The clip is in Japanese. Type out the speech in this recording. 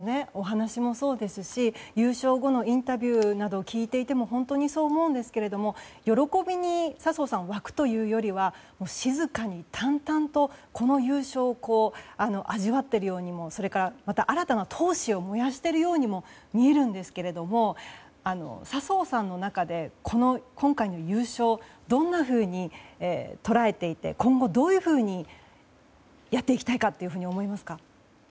今のお話もそうですし優勝後のインタビューなどを聞いていても本当にそう思うんですが笹生さん、喜びに沸くというよりは静かに淡々とこの優勝を味わっているようにもそれからまた新たな闘志を燃やしているようにも見えるんですけども笹生さんの中で今回の優勝はどんなふうに捉えていて今後どういうふうにやっていきたいかというふうに思いますか？